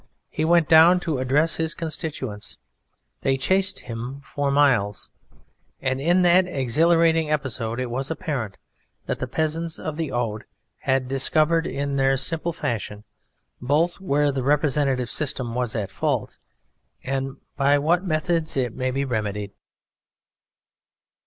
He went down to "address his constituents." They chased him for miles. And in that exhilarating episode it was apparent that the peasants of the Aude had discovered in their simple fashion both where the representative system was at fault and by what methods it may be remedied.